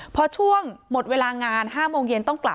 พอผ่านจากช่วงหมดเวลางาน๕โมงเย็น